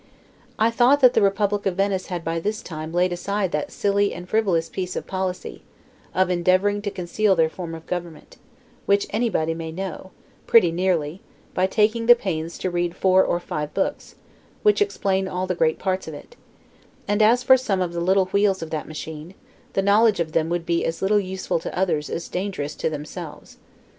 I thought that the republic of Venice had by this time laid aside that silly and frivolous piece of policy, of endeavoring to conceal their form of government; which anybody may know, pretty nearly, by taking the pains to read four or five books, which explain all the great parts of it; and as for some of the little wheels of that machine, the knowledge of them would be as little useful to others as dangerous to themselves.